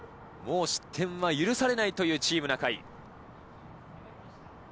もう失点は許されないというチーム中居。